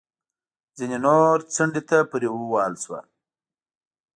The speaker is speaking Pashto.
ځینې نور څنډې ته پورې ووهل شول